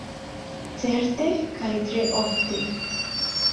Certe, kaj tre ofte.